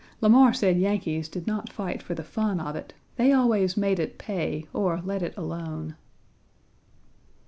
Lamar said Yankees did not fight for the fun of it; they always made it pay or let it alone.